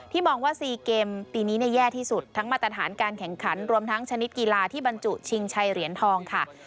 มองว่า๔เกมปีนี้แย่ที่สุดทั้งมาตรฐานการแข่งขันรวมทั้งชนิดกีฬาที่บรรจุชิงชัยเหรียญทองค่ะ